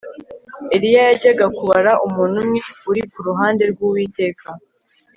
Eliya yajyaga kubara umuntu umwe uri ku ruhande rwUwiteka